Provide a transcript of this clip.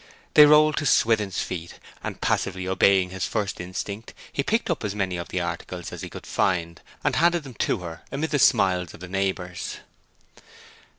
They rolled to Swithin's feet, and, passively obeying his first instinct, he picked up as many of the articles as he could find, and handed them to her amid the smiles of the neighbours.